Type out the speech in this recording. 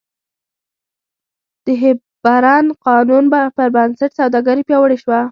د هیپبرن قانون پربنسټ سوداګري پیاوړې شوه.